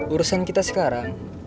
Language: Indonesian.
urusan kita sekarang